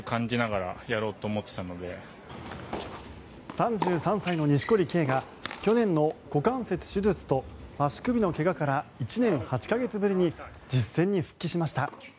３３歳の錦織圭が去年の股関節手術と足首の怪我から１年８か月ぶりに実戦に復帰しました。